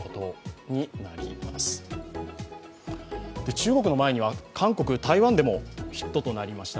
中国の前には韓国、台湾でもヒットとなりました